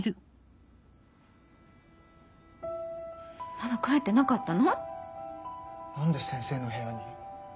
・まだ帰ってなかったの？何で先生の部屋に。